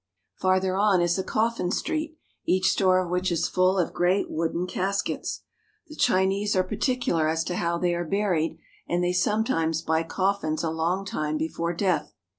Farther on is a coffin street, each store of which is full of great wooden caskets. The Chi nese are particular as to how they are buried, and they some times buy coffins a long time before death.